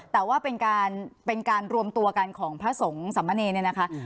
แต่ว่าเป็นการเป็นการรวมตัวกันของพระสงฆ์สามเณรเนี่ยนะคะ